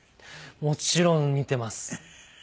もちろん見てます。